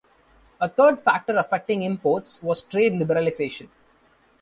A third factor affecting imports was trade liberalization.